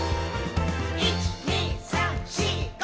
「１．２．３．４．５．」